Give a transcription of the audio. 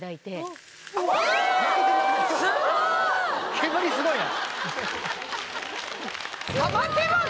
煙すごいな。